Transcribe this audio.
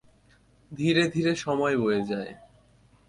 ধীরে ধীরে সময় বয়ে যায়।